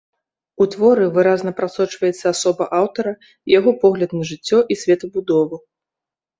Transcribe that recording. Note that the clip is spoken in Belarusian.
У творы выразна прасочваецца асоба аўтара, яго погляд на жыццё і светабудову.